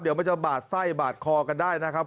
เดี๋ยวมันจะบาดไส้บาดคอกันได้นะครับ